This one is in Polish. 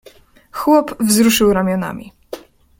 "Chłop wzruszył ramionami."